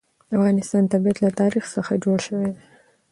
د افغانستان طبیعت له تاریخ څخه جوړ شوی دی.